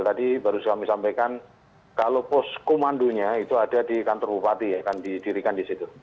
tadi baru kami sampaikan kalau pos komandonya itu ada di kantor bupati ya akan didirikan di situ